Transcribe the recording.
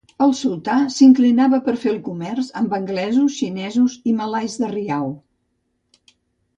El sultà s'inclinava per fer el comerç amb anglesos, xinesos i malais de Riau.